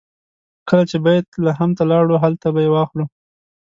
کله چې بیت لحم ته لاړو هلته به یې واخلو.